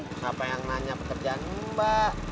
siapa yang nanya pekerjaan mbak